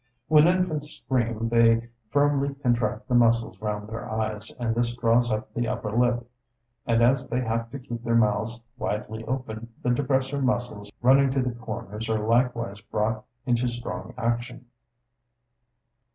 When infants scream they firmly contract the muscles round their eyes, and this draws up the upper lip; and as they have to keep their mouths widely open, the depressor muscles running to the corners are likewise brought into strong action.